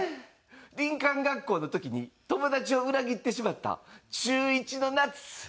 林間学校の時に友達を裏切ってしまった中１の夏。